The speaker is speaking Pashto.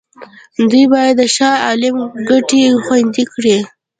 دوی باید د شاه عالم ګټې خوندي کړي.